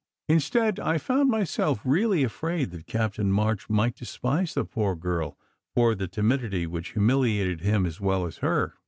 Instead, I found myself really afraid that Captain March might despise the poor girl for the timidity which humiliated him as well as her.